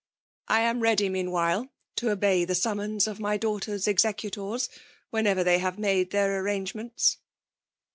*' I 4 am i cady, meanwhile, to obey the summons of my daughter s executors, whenever they hive made their anrangements."